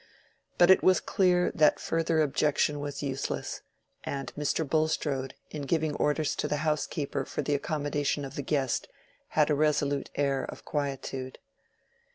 But it was at least clear that further objection was useless, and Mr. Bulstrode, in giving orders to the housekeeper for the accommodation of the guest, had a resolute air of quietude.